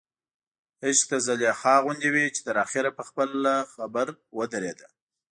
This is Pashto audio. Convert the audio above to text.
عشق د زلیخا غوندې وي چې تر اخره په خپله خبر ودرېده.